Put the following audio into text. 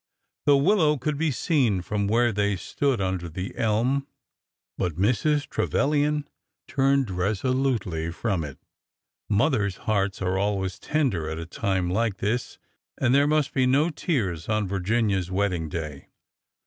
The willow could be seen from where they stood under the elm, but Mrs. Trevilian turned resolutely from it. Mothers' hearts are always tender at a time like this, and there must be no tears on Virginia's wedding day.